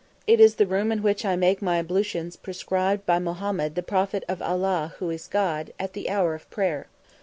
"It is the room in which I make my ablutions prescribed by Mohammed the Prophet of Allah who is God, at the hour of prayer."